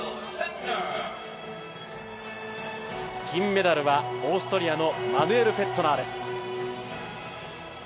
銀メダルはオーストリアのマヌエル・フェットナーです。